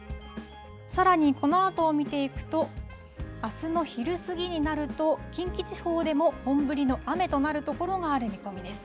さらにこのあとを見ていくと、あすの昼過ぎになると、近畿地方でも本降りの雨となる所がある見込みです。